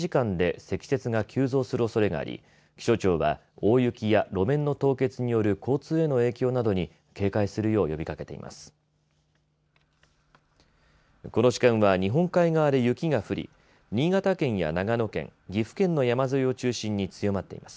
特に、あすの大みそかは短時間で積雪が急増するおそれがあり気象庁は大雪や路面の凍結による交通への影響などに警戒するよう呼びかけています。